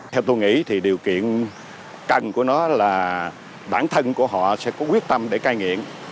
theo tôi nghĩ thì điều kiện cần của nó là bản thân của họ sẽ có quyết tâm để cai nghiện